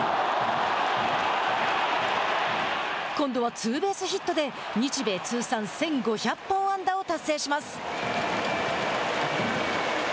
今度はツーベースヒットで日米通算１５００本安打を達成します。